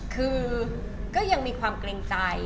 คือก็ยังมีความเกรงใจ